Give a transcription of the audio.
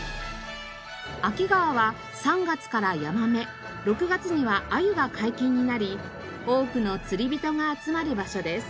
秋川は３月からヤマメ６月にはアユが解禁になり多くの釣り人が集まる場所です。